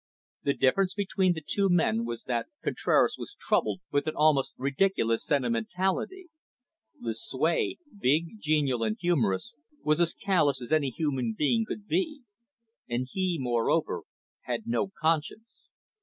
The difference between the two men was that Contraras was troubled with an almost ridiculous sentimentality. Lucue, big, genial, and humorous, was as callous as any human being could be. And he, moreover, had no conscience.